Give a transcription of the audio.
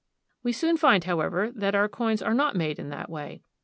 We soon find, however, that our coins are not made in that way.